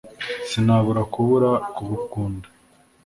Sinabura kubura kugukunda